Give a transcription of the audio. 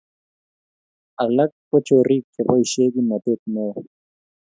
alak ko chorik cheboishe kimnatet ne o